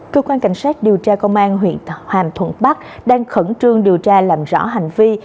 cơ quan cảnh sát điều tra công an huyện hàm thuận bắc đang khẩn trương điều tra làm rõ hành vi